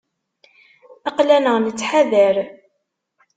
Aql-aneɣ nettḥadar.